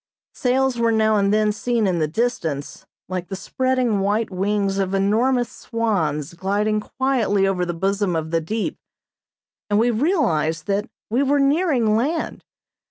Sails were now and then seen in the distance, like the spreading white wings of enormous swans gliding quietly over the bosom of the deep, and we realized that we were nearing land.